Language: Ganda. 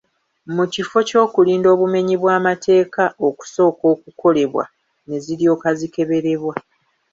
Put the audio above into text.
Mu kifo ky’okulinda obumenyi bw’amateeka okusooka okukolebwa ne ziryoka zikeberwa.